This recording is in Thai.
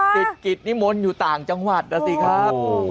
ติดกิจนิมนต์อยู่ต่างจังหวัดนะสิครับ